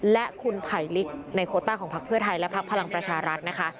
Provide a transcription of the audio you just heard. และคุณไผลลิกในโคต้าของพักเพื่อไทยและพักพลังประชารัฐนะคะ